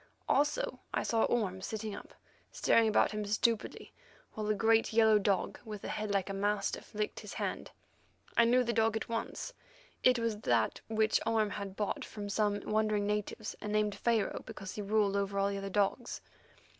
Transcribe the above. Also, I saw Orme sitting up, staring about him stupidly, while a great yellow dog, with a head like a mastiff, licked his hand. I knew the dog at once; it was that which Orme had bought from some wandering natives, and named Pharaoh because he ruled over all other dogs.